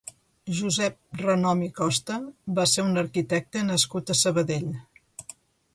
Josep Renom i Costa va ser un arquitecte nascut a Sabadell.